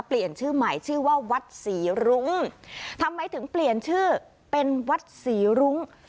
เปลี่ยนชื่อใหม่ชื่อว่าวัดศรีรุ้งทำไมถึงเปลี่ยนชื่อเป็นวัดศรีรุ้ง